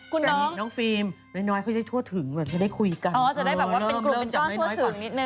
คุณน้องเต็มน้องฟิล์มยังมีน้อยจะได้ทั่วถึงเขาจะได้คุยกัน